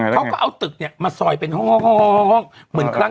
เขาก็เอาตึกเนี่ยมาซอยเป็นห้อง